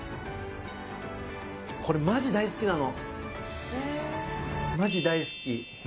これ、まじ大好きなの。